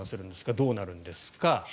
どうなるんですか。